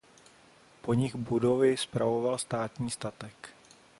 Po nich budovy spravoval státní statek.